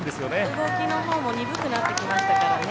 動きのほうも鈍くなってきましたからね。